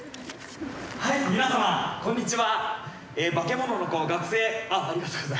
はい皆様こんにちは！